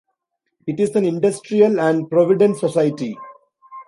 It is an industrial and provident society.